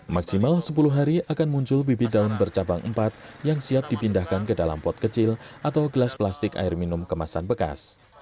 maksimal sepuluh hari akan muncul bibit daun bercabang empat yang siap dipindahkan ke dalam pot kecil atau gelas plastik air minum kemasan bekas